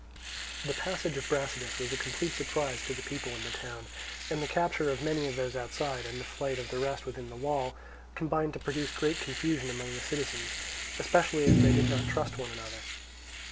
The passage of Brasidas was a complete surprise to the people in the town; and the capture of many of those outside, and the flight of the rest within the wall, combined to produce great confusion among the citizens; especially as they did not trust one another.